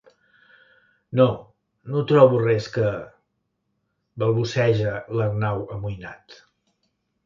No, no trobo res que... —balbuceja l'Arnau, amoïnat.